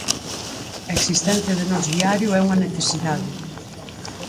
A existencia de Nós Diario é unha necesidade.